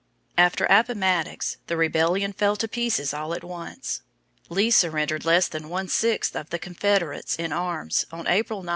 After Appomattox the rebellion fell to pieces all at once. Lee surrendered less than one sixth of the Confederates in arms on April 9.